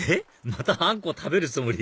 またあんこ食べるつもり？